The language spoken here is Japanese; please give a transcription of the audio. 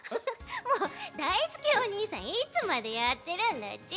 もうだいすけお兄さんいつまでやってるんだち！